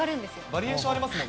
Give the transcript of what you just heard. バリエーションありますもん